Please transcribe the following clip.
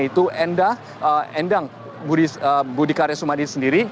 yaitu endang budikarya sumadi sendiri